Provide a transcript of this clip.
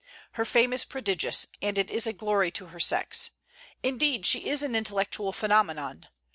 Her fame is prodigious, and it is a glory to her sex; indeed, she is an intellectual phenomenon.